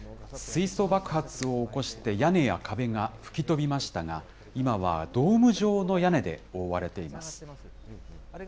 水素爆発を起こして屋根や壁が吹き飛びましたが、今はドーム状の屋根で覆われています。